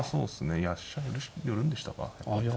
いや飛車寄るんでしたか。